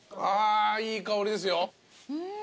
あいい香りですよ。